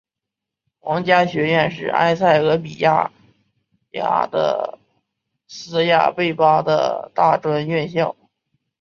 皇家学院是埃塞俄比亚亚的斯亚贝巴的大专院校。